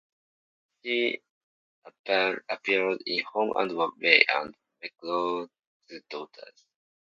She appeared in "Home and Away" and "McLeod's Daughters".